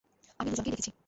আমি দুজনকেই দেখেছি।